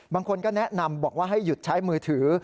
บางคนก็แนะนำบอกว่าให้หยุดใช้มือถือ